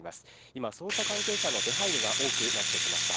今、捜査関係者の出はいりが多くなってきました。